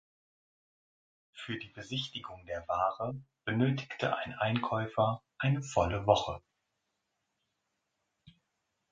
Für die Besichtigung der Ware benötigte ein Einkäufer eine volle Woche.